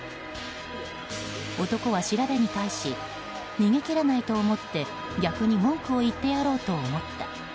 男は調べに対し逃げきれないと思って逆に文句を言ってやろうと思った。